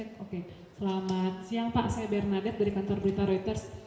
cek cek oke selamat siang pak saya bernadette dari kantor berita reuters